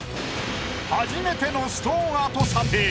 初めてのストーンアート査定。